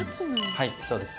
はいそうです。